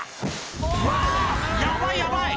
「うわヤバいヤバい！」